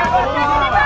bukan detek detek pak